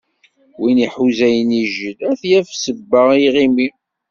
Win iḥuza inijel, ad yaf ssebba i iɣimi.